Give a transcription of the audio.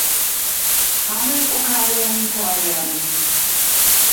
ღამე იყო ქარიანი, მთვარიანი